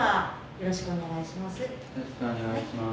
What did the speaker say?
よろしくお願いします。